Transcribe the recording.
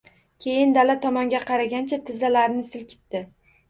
Keyin dala tomonga qaragancha tizzalarini silkitdi